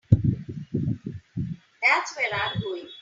That's where I'm going.